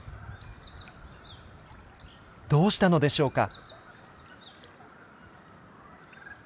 どうしたのでしょうか？